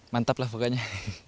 mantap lah pokoknya